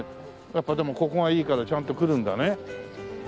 やっぱでもここがいいからちゃんと来るんだね。